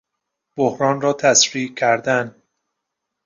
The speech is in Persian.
بحران را تسریع کردن